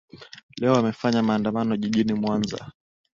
leo wamefanya maandamano jijini mwanza